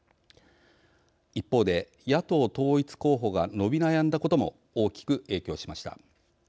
一方で、野党統一候補が伸び悩んだことも大きく影響しました。